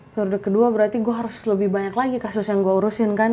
periode kedua berarti gue harus lebih banyak lagi kasus yang gue urusin kan